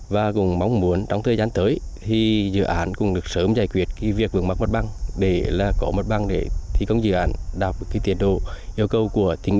bao gồm bảy gói thầu xây lắp đã được ban giao mặt bằng hơn ba mươi km đạt chín mươi